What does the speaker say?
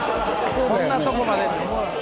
こんなとこまで。